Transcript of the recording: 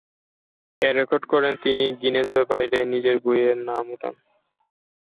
এ record করে তিনি Guinness বইয়ে নিজের নাম উঠান।